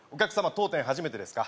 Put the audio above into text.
当店初めてですか？